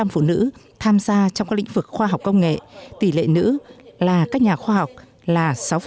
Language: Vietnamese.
bốn mươi phụ nữ tham gia trong các lĩnh vực khoa học công nghệ tỷ lệ nữ là các nhà khoa học là sáu